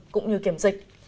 cũng như kiểm dịch